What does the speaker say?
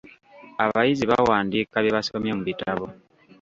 Abayizi bawandiika bye basomye mu bitabo.